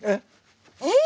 えっ！？